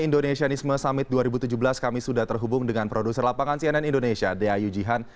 indonesianisme summit dua ribu tujuh belas kami sudah terhubung dengan produser lapangan cnn indonesia deayu jihan